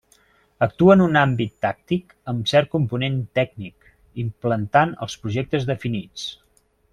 Actua en un àmbit tàctic amb cert component tècnic, implantant els projectes definits.